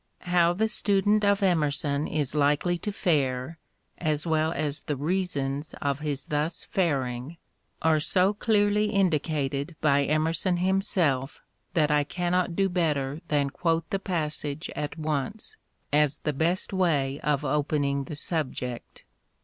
How the student of Emerson is likely to fare, as well as the reasons of his thus faring, are so clearly indicated by Emerson himself that I can not do better than quote the passage at once, as the best way of opening the subject.